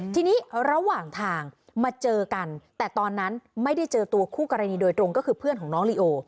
ทีนี้ระหว่างทางมาเจอกันแต่ตอนนั้นไม่ได้เจอตัวคู่กรณีโดยตรงก็คือเพื่อนของน้องลีโอ